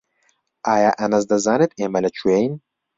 ئایا ئەنەس دەزانێت ئێمە لەکوێین؟